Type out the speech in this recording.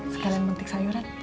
sekalian mentik sayuran